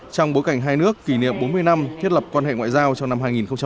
trong bối cảnh hai nước kỷ niệm bốn mươi năm thiết lập quan hệ ngoại giao trong năm hai nghìn một mươi tám